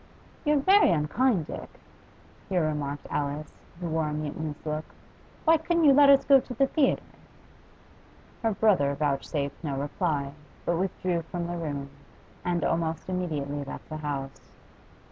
'You're very unkind, Dick,' here remarked Alice, who wore a mutinous look. 'Why couldn't you let us go to the theatre?' Her brother vouchsafed no reply, but withdrew from the room, and almost immediately left the house.